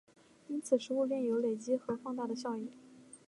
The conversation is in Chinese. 因此食物链有累积和放大的效应。